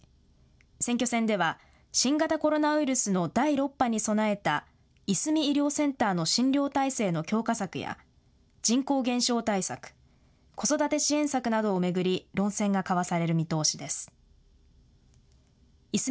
選挙戦では新型コロナウイルスの第６波に備えたいすみ医療センターの診療体制の強化策や人口減少対策、子育て支援策などを巡り論戦が交わされる見通しです。